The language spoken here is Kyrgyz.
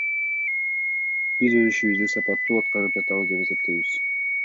Биз өз ишибизди сапаттуу аткарып жатабыз деп эсептейбиз.